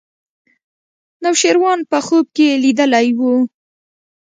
نوشیروان په خوب کې لیدلی و.